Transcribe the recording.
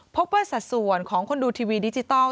พกว่าสัดส่วนของคนดูทีวีดิจิตอล